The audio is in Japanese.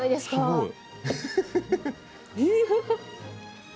すごい。